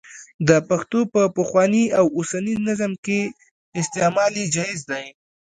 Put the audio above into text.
د پښتو په پخواني او اوسني نظم کې استعمال یې جائز دی.